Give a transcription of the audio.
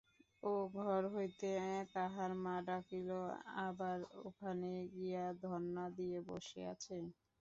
ও ঘর হইতে তাহার মা ডাকিল, আবার ওখানে গিয়া ধন্না দিয়ে বসে আছে?